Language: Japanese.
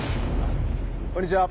こんにちは。